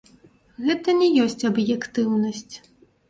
Гэта не ёсць аб'ектыўнасць.